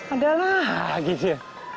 ada lagi cie